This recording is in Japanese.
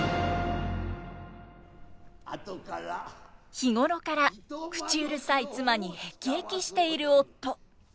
日頃から口うるさい妻に辟易している夫。